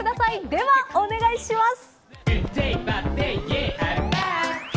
では、お願いします。